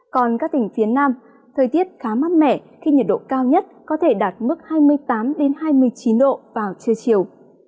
còn các tỉnh phía nam thời tiết khá mát mẻ khi nhiệt độ cao nhất có thể đạt mức hai mươi tám hai mươi chín độ vào trưa chiều